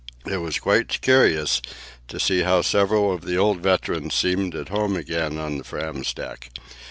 It was quite curious to see how several of the old veterans seemed at home again on the Fram's deck.